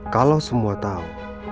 kalo semua tau